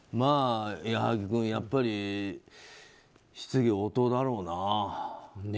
矢作君、やっぱり質疑応答だろうな。